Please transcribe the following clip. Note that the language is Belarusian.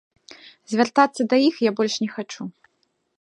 Звяртацца да іх я больш не хачу.